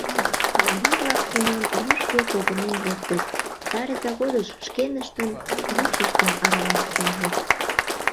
Марий-влак тунам рӱжге погынен лектыт, Старый Заводыш шкеныштын рушыштым аралаш куржыт.